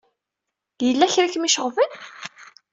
Yella kra ay kem-iceɣben?